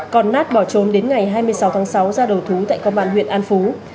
còn nát bỏ trốn đến ngày hai mươi sáu tháng sáu ra đầu thú tại công an huyện an phú